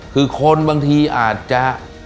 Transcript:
คือคนบางทีอาจจะ